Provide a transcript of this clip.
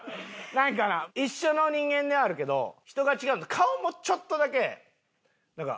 なんかな一緒の人間ではあるけど人が違う顔もちょっとだけなんか。